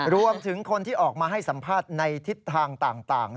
รวมถึงคนที่ออกมาให้สัมภาษณ์ในทิศทางต่าง